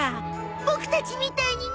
ボクたちみたいにね！